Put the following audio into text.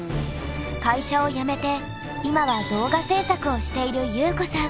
会社を辞めて今は動画制作をしているゆうこさん。